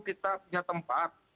kita punya tempat